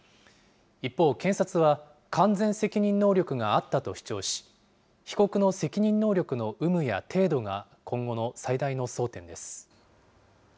一方、検察は、完全責任能力があったと主張し、被告の責任能力の有無や程度が今後の最大の争点です。